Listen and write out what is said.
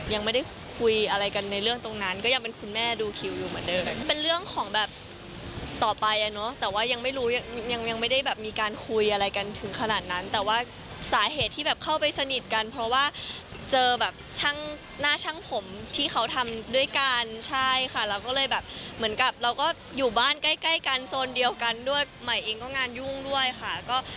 ยังไม่ได้คุยอะไรกันในเรื่องตรงนั้นก็ยังเป็นคุณแม่ดูคิวอยู่เหมือนเดิมเป็นเรื่องของแบบต่อไปอ่ะเนอะแต่ว่ายังไม่รู้ยังยังไม่ได้แบบมีการคุยอะไรกันถึงขนาดนั้นแต่ว่าสาเหตุที่แบบเข้าไปสนิทกันเพราะว่าเจอแบบช่างหน้าช่างผมที่เขาทำด้วยกันใช่ค่ะเราก็เลยแบบเหมือนกับเราก็อยู่บ้านใกล้ใกล้กันโซนเดียวกันด้วยใหม่เองก็งานยุ่งด้วยค่ะก็